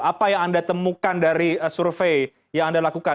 apa yang anda temukan dari survei yang anda lakukan